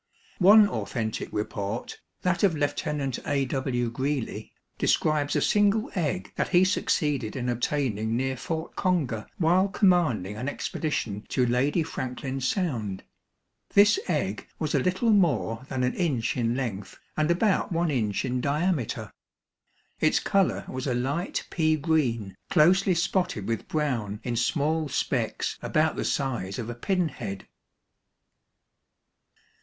One authentic report, that of Lieutenant A. W. Greely, describes a single egg that he succeeded in obtaining near Fort Conger while commanding an expedition to Lady Franklin Sound. This egg was a little more than an inch in length and about one inch in diameter. Its color was a "light pea green, closely spotted with brown in small specks about the size of a pinhead."